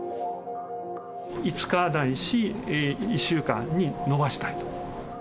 ５日ないし、１週間に延ばしたいと。